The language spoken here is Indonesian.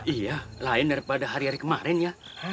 iya lain daripada hari hari kemarin ya